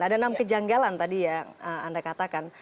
ada enam kejanggalan tadi yang anda katakan